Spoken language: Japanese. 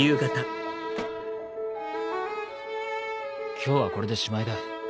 今日はこれでしまいだ。